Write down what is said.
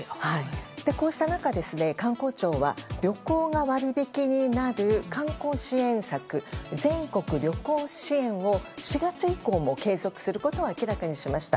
こうした中観光庁は旅行が割引になる観光支援策、全国旅行支援を４月以降も継続することを決めました。